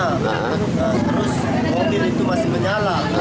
terus mobil itu masih menyala